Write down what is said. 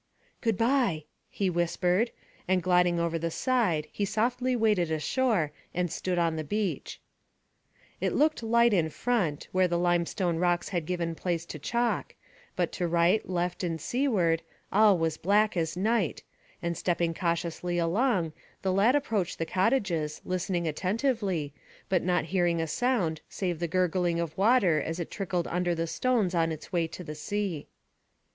"Good bye," he whispered, and, gliding over the side, he softly waded ashore and stood on the beach. It looked light in front, where the limestone rocks had given place to chalk, but to right, left, and seaward, all was black as night, and stepping cautiously along, the lad approached the cottages, listening attentively, but not hearing a sound save the gurgling of water as it trickled under the stones on its way to the sea.